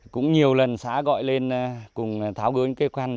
cũng nhiều lần xã gọi lên cùng tháo gớn kế quan